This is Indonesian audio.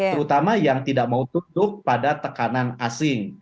terutama yang tidak mau tunduk pada tekanan asing